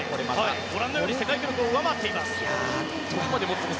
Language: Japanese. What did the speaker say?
ご覧のように世界記録を上回っています。